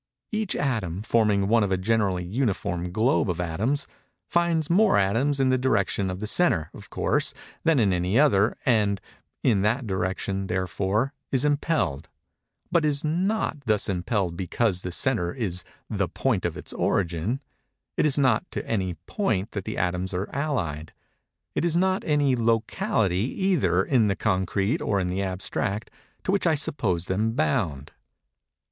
Each atom, forming one of a generally uniform globe of atoms, finds more atoms in the direction of the centre, of course, than in any other, and in that direction, therefore, is impelled—but is not thus impelled because the centre is the point of its origin. It is not to any point that the atoms are allied. It is not any locality, either in the concrete or in the abstract, to which I suppose them bound.